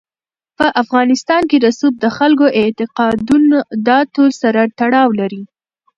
په افغانستان کې رسوب د خلکو اعتقاداتو سره تړاو لري.